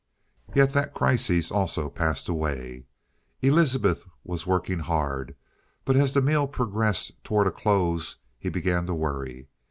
Yet that crisis also passed away. Elizabeth was working hard, but as the meal progressed toward a close, he began to worry.